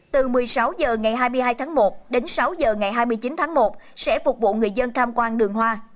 từ một mươi sáu h ngày hai mươi hai tháng một đến sáu h ngày hai mươi chín tháng một sẽ phục vụ người dân tham quan đường hoa